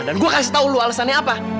dan gue kasih tau lu alasannya apa